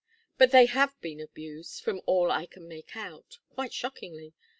But they have been abused, from all I can make out quite shockingly.